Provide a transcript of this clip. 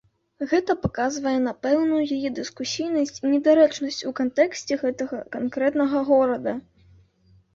Гэта паказвае на пэўную яе дыскусійнасць і недарэчнасць у кантэксце гэтага канкрэтнага горада.